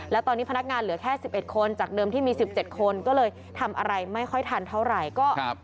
แล้วตอนนี้พนักงานเหลือแค่๑๑คนจากเดิมที่มี๑๗คนก็เลยทำอะไรไม่ค่อยทันเท่าไหร่